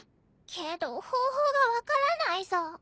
けど方法が分からないさ。